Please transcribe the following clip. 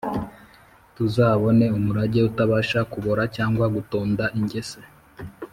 Tuzabone umurage utabasha kubora cyangwa gutonda ingese